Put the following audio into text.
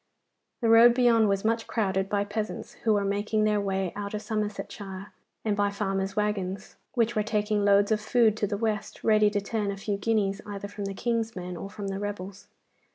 The road beyond was much crowded by peasants, who were making their way out of Somersetshire, and by farmers' waggons, which were taking loads of food to the West, ready to turn a few guineas either from the King's men or from the rebels.